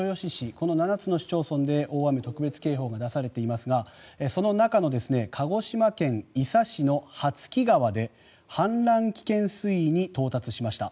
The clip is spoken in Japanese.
この７つの市町村で大雨特別警報が出されていますがその中の鹿児島県伊佐市の羽月川で氾濫危険水位に到達しました。